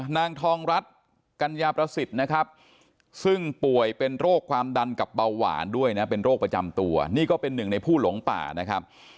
นางทองรัฐกัญญาประสิทธิ์นะครับซึ่งป่วยเป็นโรคความดันกับเบาหวานด้วยนะเป็นโรคประจำตัวนี่ก็เป็นหนึ่งในผู้หลงป่านะครับ